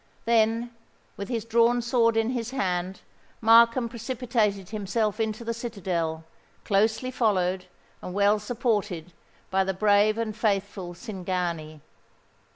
Then, with his drawn sword in his hand, Markham precipitated himself into the citadel, closely followed, and well supported by the brave and faithful Cingani.